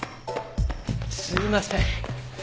すいません。